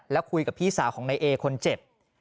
แล้วคุยกับพี่สาวของนายเอคนเจ็บ